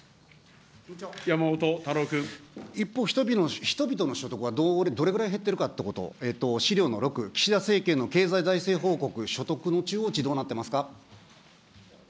一方、人々の所得はどれぐらい減ってるかということ、資料の６、岸田政権の経済財政報告所得の中央値、どうなってますか。